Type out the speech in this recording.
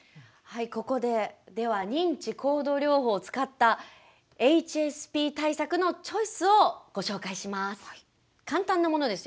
認知行動療法を使ったＨＳＰ対策のチョイスをご紹介します。